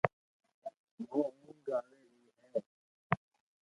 منو اونگ آوي رھئي ھي